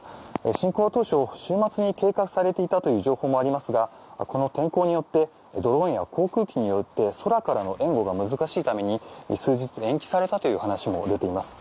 侵攻当初、週末に警戒されていたという情報もありますがこの天候によってドローンや航空機によって空からの援護が難しいために数日延期されたという話も出ています。